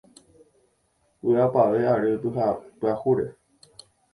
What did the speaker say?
¡Vy’apavẽ ary pyahúre!